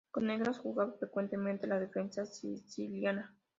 Con negras jugaba frecuentemente la Defensa Siciliana.